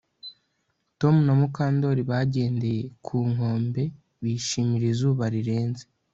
Tom na Mukandoli bagendeye ku nkombe bishimira izuba rirenze